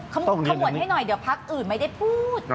ขมวดให้หน่อยเดี๋ยวพักอื่นไม่ได้พูด